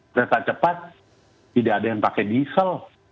kereta cepat tidak ada yang pakai diesel